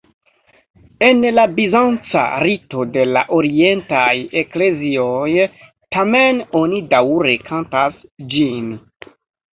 En la bizanca rito de la orientaj eklezioj tamen oni daŭre kantas ĝin.